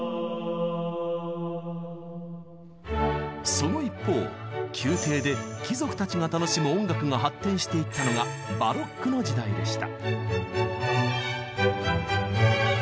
その一方宮廷で貴族たちが楽しむ音楽が発展していったのがバロックの時代でした。